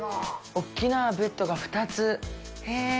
大きなベッドが２つ。